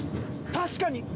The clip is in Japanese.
確かに。